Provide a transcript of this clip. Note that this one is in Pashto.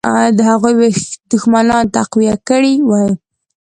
د هغوی دښمنان تقویه کړي وای.